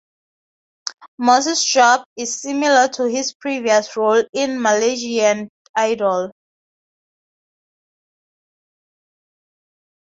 Moss's job is similar to his previous role in "Malaysian Idol".